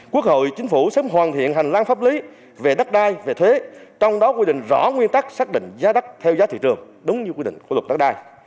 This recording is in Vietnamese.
quốc hội chính phủ sớm hoàn thiện hành lang pháp lý về đất đai về thuế trong đó quy định rõ nguyên tắc xác định giá đất theo giá thị trường đúng như quy định của luật đất đai